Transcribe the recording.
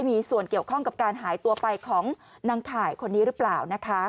มีส่วนเกี่ยวข้องกับการหายตัวไปของนางข่ายคนนี้หรือเปล่านะคะ